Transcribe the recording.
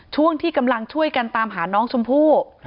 ช่วงที่กำลังช่วยกันตามหาน้องชมพู่